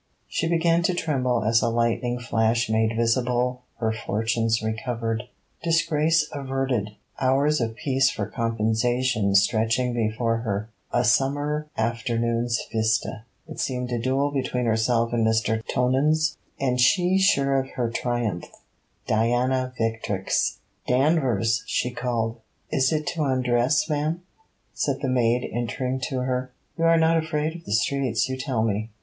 She began to tremble as a lightning flash made visible her fortunes recovered, disgrace averted, hours of peace for composition stretching before her: a summer afternoon's vista. It seemed a duel between herself and Mr. Tonans, and she sure of her triumph Diana victrix! 'Danvers!' she called. 'Is it to undress, ma'am?' said the maid, entering to her. 'You are not afraid of the streets, you tell me.